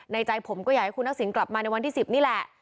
ใจผมก็อยากให้คุณทักษิณกลับมาในวันที่๑๐นี่แหละ